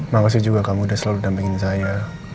makasih juga kamu udah selalu dampingin saya